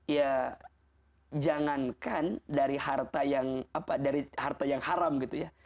ya jangankan dari harta yang haram gitu ya